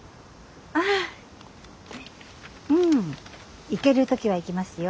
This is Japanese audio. ああうん行ける時は行きますよ。